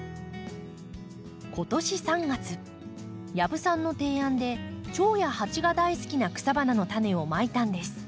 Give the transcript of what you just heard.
今年３月養父さんの提案でチョウやハチが大好きな草花の種をまいたんです。